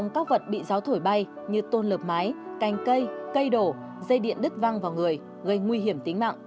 cây đổ dây điện đứt văng vào người gây nguy hiểm tính mạng